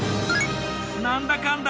なんだかんだ